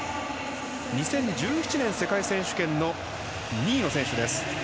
２０１７年、世界選手権の２位の選手です。